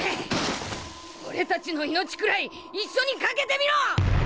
「俺たちの命くらい一緒に懸けてみろ。